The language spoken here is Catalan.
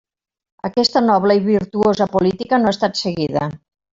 Aquesta noble i virtuosa política no ha estat seguida.